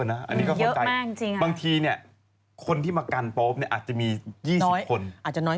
อันนี้ก็ต้องใจเยอะมากจริงบางทีคนที่มากันโป๊ปอาจจะมี๒๐คน